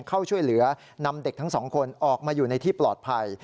เข้าช่วยเหลือนำเด็กทั้งสองคนออกมาอยู่ในที่ปลอดภัย